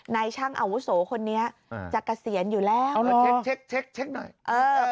นายช่างอาวุโสคนนี้จะเกษียณอยู่แล้วเออเช็คเช็คเช็คเช็คหน่อยเออ